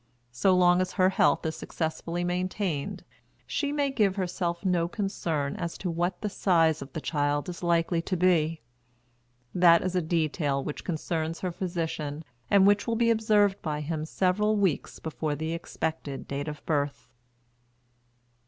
So long as her health is successfully maintained, she may give herself no concern as to what the size of the child is likely to be. That is a detail which concerns her physician, and which will be observed by him several weeks before the expected date of birth.